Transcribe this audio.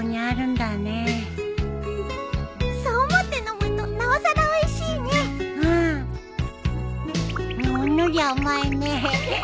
ほんのり甘いね。